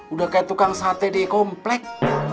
udah kayak tukang sate dikomplek